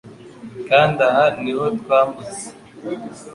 kandi aha niho twambutse